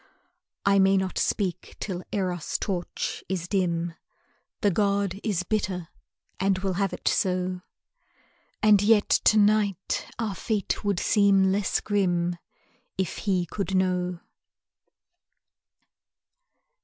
I may not speak till Eros' torch is dim, The god is bitter and will have it so; And yet to night our fate would seem less grim If he could know.